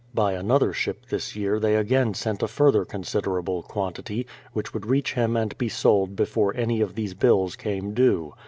By another ship this year they again sent a further con siderable quantity, which would reach him and be sold 275 «76 BRADFORD'S HISTORY OF before any of these bills came due.